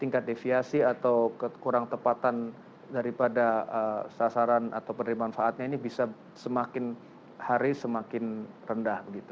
tingkat deviasi atau kekurang tepatan daripada sasaran atau penerima manfaatnya ini bisa semakin hari semakin rendah